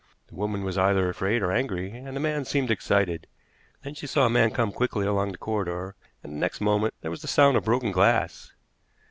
The woman was either afraid or angry, and the man seemed excited. Then she saw a man come quickly along the corridor, and the next moment there was the sound of broken glass.